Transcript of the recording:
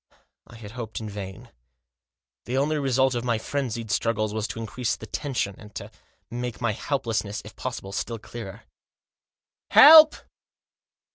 I had hoped in vain. The only result of my frenzied struggles was to increase the tension, and to make my helplessness, if possible, still clearer. " Help